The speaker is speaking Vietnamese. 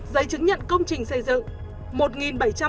giấy chứng nhận công trình xây dựng